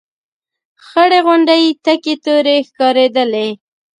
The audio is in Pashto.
خړې غونډۍ تکې تورې ښکارېدلې.